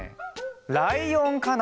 ライオンかな。